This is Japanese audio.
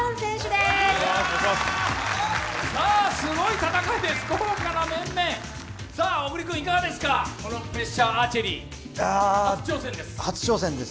すごい戦いです、豪華な面々小栗君、いかがですか、この「プレッシャーアーチェリー」初挑戦です。